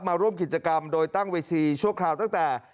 มาร่วมกิจกรรมโดยตั้งเวทีชั่วคราวตั้งแต่